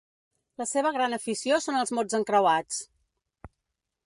La seva gran afició són els mots encreuats.